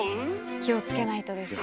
気を付けないとですよね。